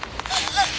あっ」